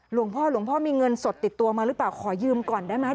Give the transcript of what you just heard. หลวงพ่อหลวงพ่อมีเงินสดติดตัวมาหรือเปล่าขอยืมก่อนได้ไหม